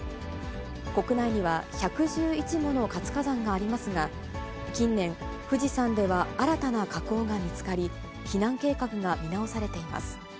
国内には１１１もの活火山がありますが、近年、富士山では新たな火口が見つかり、避難計画が見直されています。